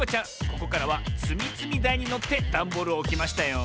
ここからはつみつみだいにのってダンボールをおきましたよ。